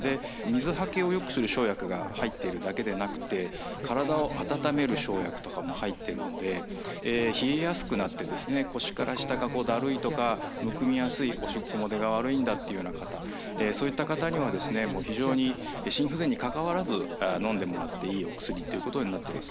水はけをよくする生薬が入っているだけでなくて体を温める生薬とかも入っているので冷えやすくなって腰から下がだるいとかむくみやすいおしっこも出が悪いんだというような方そういった方には非常に心不全にかかわらずのんでもらっていいお薬っていうことになってます。